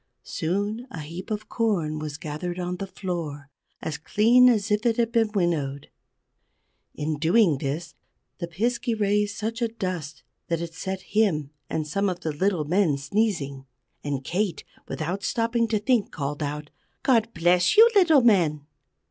Soon a heap of corn was gathered on the floor, as clean as if it had been winnowed. In doing this the Piskey raised such a dust that it set him and some of the little men sneezing. And Kate, without stopping to think, called out: "God bless you, little men!"